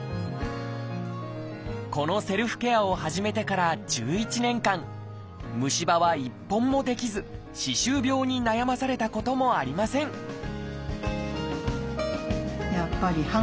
このセルフケアを始めてから１１年間虫歯は一本も出来ず歯周病に悩まされたこともありませんと思います。